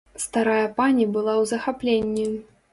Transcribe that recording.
Старая пані была ў захапленні.